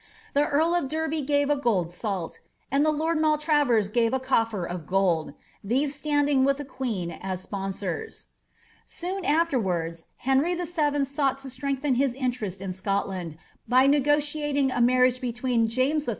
The earl of Derby gave a gold salt, and the Lord Mai tra vers gave a cofier of gold ; these stand ing with the queen as sponsors.'' * Soon afterwards, Henry VII. songht to strengthen his interest in Scotland, by negotiating a marriage between James III.